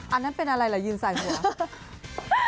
อันนั้นเป็นอะไรล่ะยืนใส่หัว